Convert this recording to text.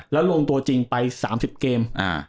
แล้วลงตัวจริงไป๓๐เกม